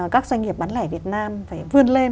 các doanh nghiệp bán lẻ việt nam phải vươn lên